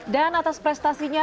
dan atas prestasinya